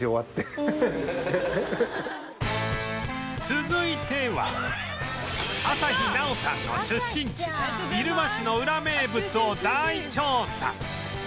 続いては朝日奈央さんの出身地入間市のウラ名物を大調査